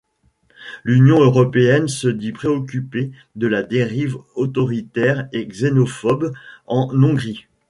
L'Union Européenne se dit préoccupée de la dérive autoritaire et xénophobe en Hongrie.